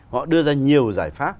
họ đưa ra nhiều giải pháp